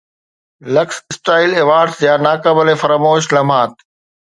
luxe style awards جا ناقابل فراموش لمحات